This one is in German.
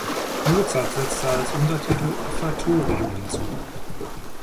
Mozart setzte als Untertitel „Offertorium“ hinzu.